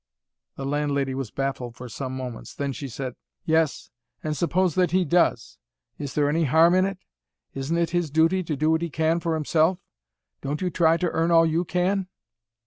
The landlady was baffled for some moments. Then she said: "Yes, and suppose that he does. Is there any harm in it? Isn't it his duty to do what he can for himself? Don't you try to earn all you can?"